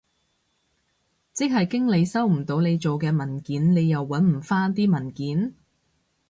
即係經理收唔到你做嘅文件，你又搵唔返啲文件？